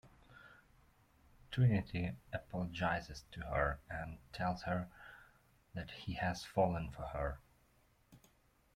Trinity apologizes to her, and tells her that he has fallen for her.